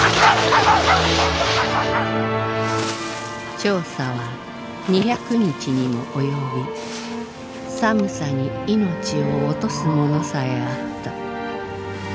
調査は２００日にも及び寒さに命を落とす者さえあった。